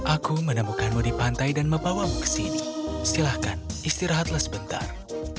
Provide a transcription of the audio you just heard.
aku menemukanmu di pantai dan membawamu ke sini silahkan istirahatlah sebentar